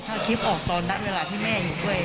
ถ้าคลิปออกตอนณเวลาที่แม่อยู่ด้วย